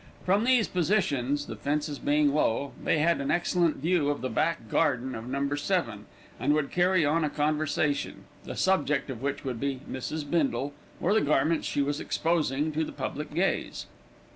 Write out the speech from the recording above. From these positions, the fences being low, they had an excellent view of the back garden of No. 7, and would carry on a conversation, the subject of which would be Mrs. Bindle, or the garments she was exposing to the public gaze.